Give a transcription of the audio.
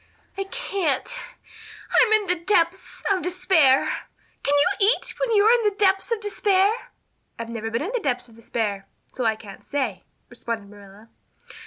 "I can't. I'm in the depths of despair. Can you eat when you are in the depths of despair?" "I've never been in the depths of despair, so I can't say," responded Marilla.